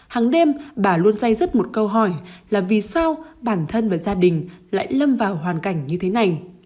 hàng đêm bà luôn dây dứt một câu hỏi là vì sao bản thân và gia đình lại lâm vào hoàn cảnh như thế này